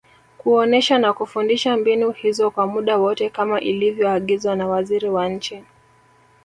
kuonesha na kufundisha mbinu hizo kwa muda wote kama ilivyoagizwa na Waziri wa Nchi